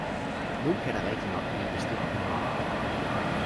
Nu kan der rigtignok blive bestilt noget!